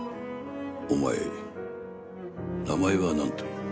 お前、名前はなんという。